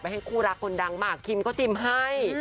ให้คู่รักคนดังมากคิมก็ชิมให้